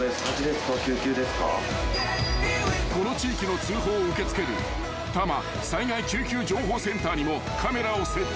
［この地域の通報を受け付ける多摩災害救急情報センターにもカメラを設置］